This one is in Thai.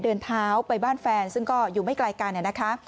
เดินเท้าไปบ้านแฟนซึ่งก็อยู่ไม่ไกลกันนะคะ